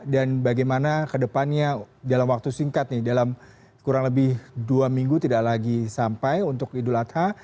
dan bagaimana kedepannya dalam waktu singkat nih dalam kurang lebih dua minggu tidak lagi sampai untuk idul adha